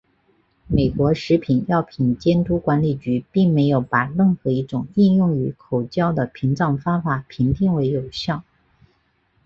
美国食品药品监督管理局并没有把任何一种应用于口交的屏障方法评定为有效。